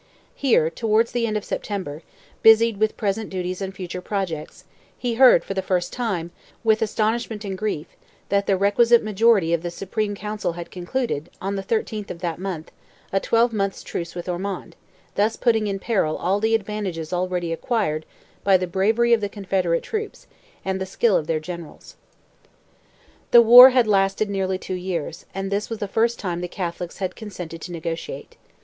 Here, towards the end of September, busied with present duties and future projects, he heard, for the first time, with astonishment and grief, that the requisite majority of "the Supreme Council" had concluded, on the 13th of that month, a twelve months' truce with Ormond, thus putting in peril all the advantages already acquired by the bravery of the Confederate troops, and the skill of their generals. The war had lasted nearly two years, and this was the first time the Catholics had consented to negotiate.